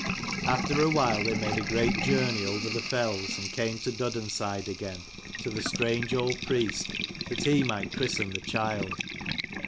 After a while they made a great journey over the fells, and came to Duddon side again, to the strange old priest, that he might christen the child.